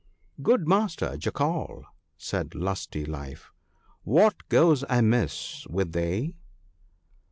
' Good master Jackal,' said Lusty life, ' what goes amiss with thee